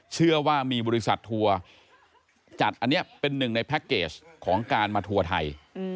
เชื่อว่ามีบริษัททัวร์จัดอันนี้เป็นหนึ่งในแพ็คเกจของการมาทัวร์ไทย